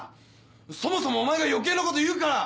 そもそもお前が余計なこと言うから！